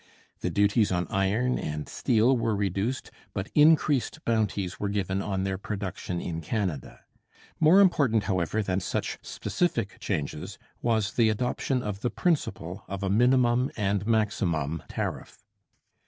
The duties on iron and steel were reduced, but increased bounties were given on their production in Canada. More important, however, than such specific changes was the adoption of the principle of a minimum and maximum tariff.